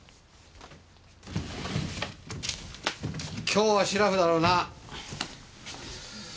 今日はしらふだろうな？